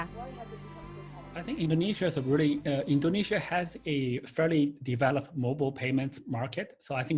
saya pikir indonesia memiliki pasar pembayaran mobile yang cukup berkembang